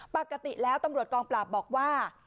ปกติแล้วตำรวจกองปราบบอกว่า